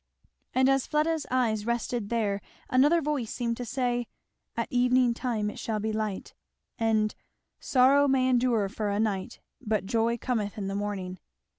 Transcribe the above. And as Fleda's eye rested there another voice seemed to say, "At evening time it shall be light," and "Sorrow may endure for a night, but joy cometh in the morning."